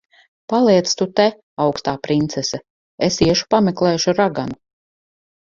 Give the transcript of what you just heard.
Paliec tu te, augstā princese. Es iešu pameklēšu raganu.